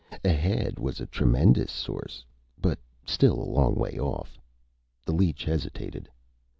Ahead was a tremendous source, but still a long way off. The leech hesitated.